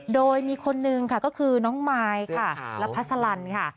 โดยมีคนนึงค่ะก็คือน้องมายค่ะและพัสลันค่ะ